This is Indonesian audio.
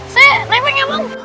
saya remeng ya bang